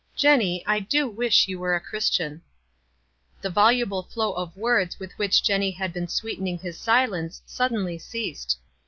"Jenny, I do wish you were a Christian !" The voluble flow of words with which Jenny had been sweetening his silence suddenly ceased.